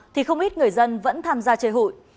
thì không ít người dân vẫn tham gia chơi hụi